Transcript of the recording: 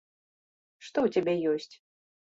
Што ў цябе ёсць?